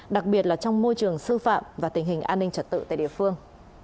đặc biệt là trong môi trường sư phạm và tình hình an ninh trật tự tại địa phương